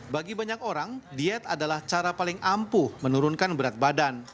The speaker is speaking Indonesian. bagi banyak orang diet adalah cara paling ampuh menurunkan berat badan